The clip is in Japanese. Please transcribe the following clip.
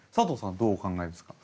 どうお考えですか？